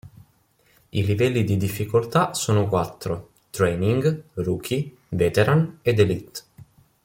I livelli di difficoltà sono quattro, “Training”, “Rookie”, “Veteran” ed “Elite”.